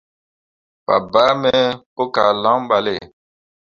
Fabaa me pu kah lan ɓale.